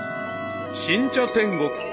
［新茶天国］